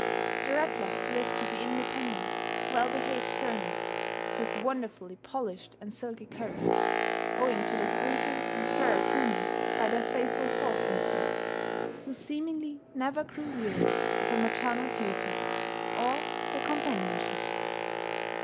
The ratlets lived to be independent, well behaved grown ups, with wonderfully polished and silky coats, owing to their frequent and thorough grooming by their faithful foster mother, who seemingly never grew weary of her maternal duties or their companionship.